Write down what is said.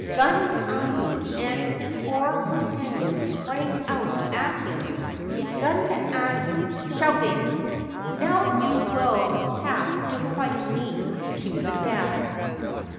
Gundayu and his four companions sprang out at him, Gundayu shouting, ' Now you will have to fight me to the death.'